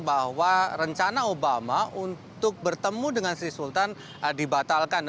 bahwa rencana obama untuk bertemu dengan sri sultan dibatalkan